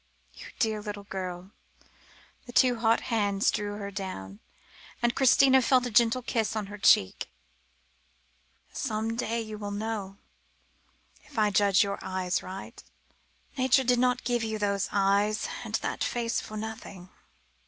"You dear little girl," the two hot hands drew her down, and Christina felt a gentle kiss on her cheek; "some day you will know, if I judge your eyes aright. Nature did not give you those eyes, and that face for nothing.